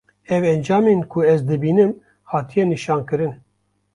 ev encamên ku ez dibînim hatiye nîşankirin;